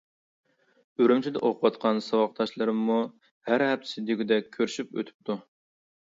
ئۈرۈمچىدە ئوقۇۋاتقان ساۋاقداشلىرىممۇ ھەر ھەپتىسى دېگۈدەك كۆرۈشۈپ ئۆتۈپتۇ.